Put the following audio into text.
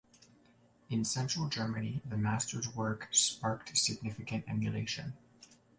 In Central Germany, the master’s work sparked significant emulation.